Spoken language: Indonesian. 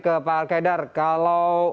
ke pak alkaidar kalau